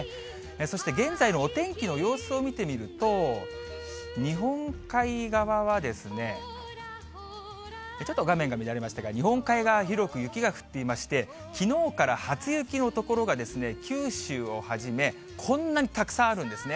そして現在のお天気の様子を見てみると、日本海側は、ちょっと画面が乱れましたが、日本海側、広く雪が降っていまして、きのうから初雪の所が、九州をはじめ、こんなにたくさんあるんですね。